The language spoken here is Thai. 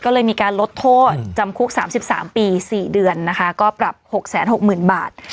ก็เลยมีการลดโทษจำคุก๓๓ปี๔เดือนนะคะก็ปรับ๖๖๐๐๐บาท